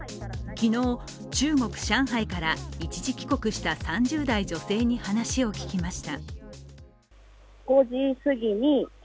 昨日、中国・上海から一時帰国した３０代女性に話を聞きました。